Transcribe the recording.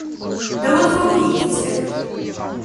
Да вот вы увидите.